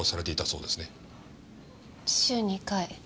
週２回。